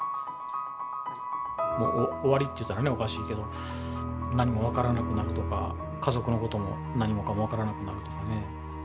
終わりって言ったらね、おかしいけど、何も分からなくなるとか、家族のことも何もかも分からなくなるとかね。